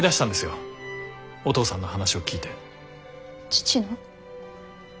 父の？